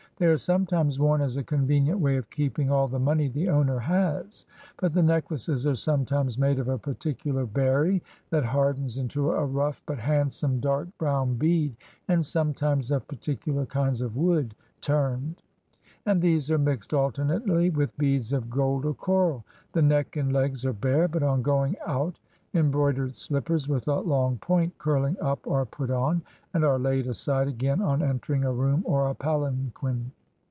They are sometimes worn as a convenient way of keeping all the money the owner has; but the necklaces are sometimes made of a particu lar berry that hardens into a rough but handsome dark brown bead, and sometimes of particular kinds of wood turned; and these are mixed alternately with beads of gold or coral. The neck and legs are bare; but on going out, embroidered slippers with a long point curling up are put on, and are laid aside again on entering a room or a palanquin.